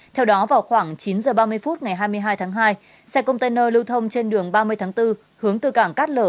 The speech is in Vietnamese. theo đó vào khoảng chín h ba mươi phút ngày hai mươi hai tháng hai xe container lưu thông trên đường ba mươi tháng bốn hướng từ cảng cát lở